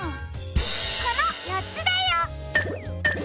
このよっつだよ！